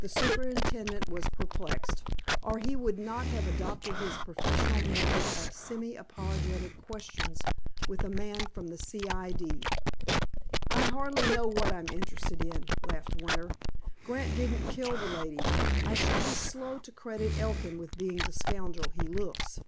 The superintendent was perplexed, or he would not have adopted his professional method of semi apologetic questions with a man from the C.I.D. "I hardly know what I'm interested in," laughed Winter. "Grant didn't kill the lady. I shall be slow to credit Elkin with being the scoundrel he looks.